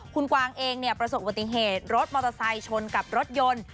คุณกวางเองประสบอุบัติเหตุรถมอเตอร์ไซค์ชนกับรถยนต์